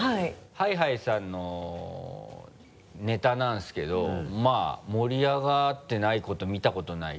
Ｈｉ−Ｈｉさんのネタなんですけどまぁ盛り上がってないこと見たことない。